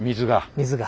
水が。